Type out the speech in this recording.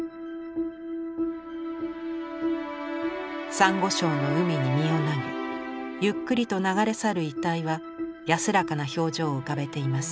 さんご礁の海に身を投げゆっくりと流れ去る遺体は安らかな表情を浮かべています。